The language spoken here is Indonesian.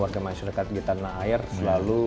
warga masyarakat di tanah air selalu